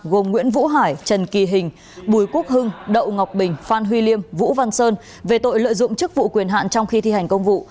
gồm nguyễn vũ hải trần kỳ hình bùi quốc hưng đậu ngọc bình phan huy liêm vũ văn sơn về tội lợi dụng chức vụ quyền hạn trong khi thi hành công vụ